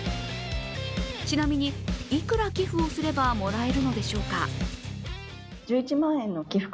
ちなみに、いくら寄付をすればもらえるのでしょうか？